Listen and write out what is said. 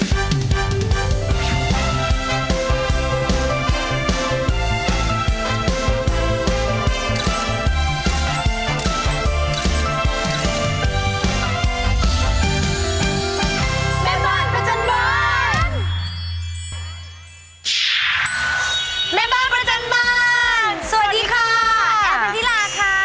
สวัสดีค่ะแอลแฟนธิราค่ะ